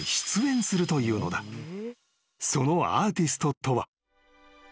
［そのアーティストとは］